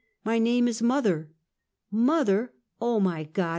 " My name is mother." " Mother; oh my God!